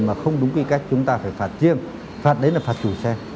mà không đúng quy cách chúng ta phải phạt riêng phạt đấy là phạt chủ xe